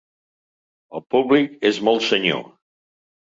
El públic és molt senyor.